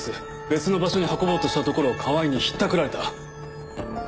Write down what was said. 別の場所に運ぼうとしたところを河合にひったくられた。